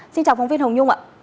xin chào phóng viên hồng nhung ạ